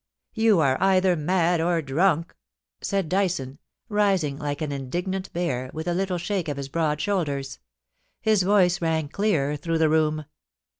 * You are either mad or drunk !' said Dyson, rising like an indignant bear, with a little shake of his broad shouldeis. His voice rang clear through the room.